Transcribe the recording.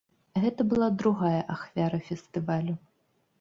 Гэта была другая ахвяра фестывалю.